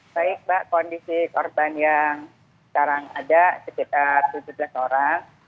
baik mbak kondisi korban yang sekarang ada sekitar tujuh belas orang